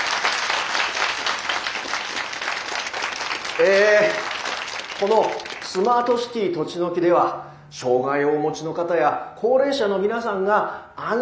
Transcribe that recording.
えこのスマートシティとちのきでは障害をお持ちの方や高齢者の皆さんが安心して暮らせる街。